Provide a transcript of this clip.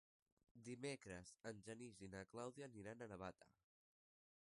Dimecres en Genís i na Clàudia aniran a Navata.